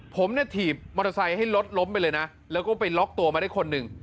ผมเนี่ยถีบมอเตอร์ไซค์ให้รถล้มไปเลยนะแล้วก็ไปล็อกตัวมาได้คนหนึ่ง